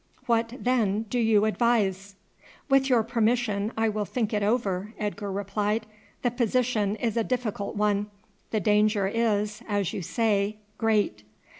What then do you advise?" "With your permission I will think it over," Edgar replied. "The position is a difficult one; the danger is, as you say, great."